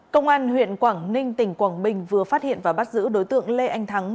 công an huyện quảng ninh tỉnh quảng bình vừa phát hiện và bắt giữ đối tượng lê anh thắng